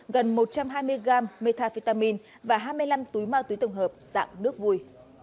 gần một trăm hai mươi g metafitamine và hai mươi năm túi ma túy tổng hợp dạng nước vui